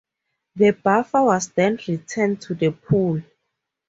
The buffer was then returned to the pool.